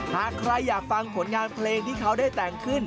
หากใครอยากฟังผลงานเพลงที่เขาได้แต่งขึ้น